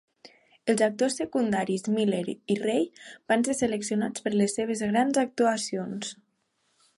Els actors secundaris Miller i Rey van ser seleccionats per les seves grans actuacions.